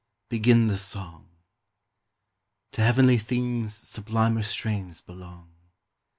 begin the song: To heavenly themes sublimer strains belong.